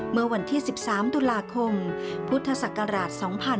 เมื่อวันที่๑๓ตุลาคมพุทธศักราช๒๕๕๙